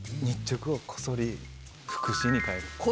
日直をこそり「福士」に変える。